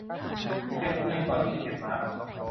เก็บเกวียนก่อนที่จะเก็บม้า